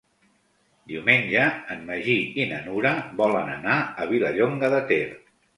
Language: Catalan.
Diumenge en Magí i na Nura volen anar a Vilallonga de Ter.